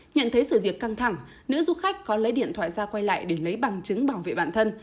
nhận thấy sự việc căng thẳng nữ du khách có lấy điện thoại ra quay lại để lấy bằng chứng bảo vệ bản thân